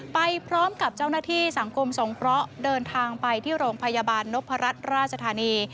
ไปพร้อมกับเจ้าหน้าที่สังคมสงเคราะห์เดินทางไปที่โรงพยาบาลนพรัชราชธานี